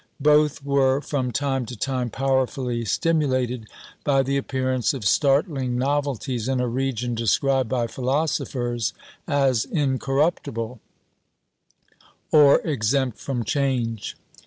Both were from time to time powerfully stimulated by the appearance of startling novelties in a region described by philosophers as "incorruptible," or exempt from change.